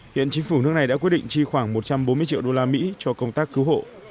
hiện chính phủ nước này đã quyết định chi khoảng một trăm bốn mươi triệu đô la mỹ cho công tác cứu hộ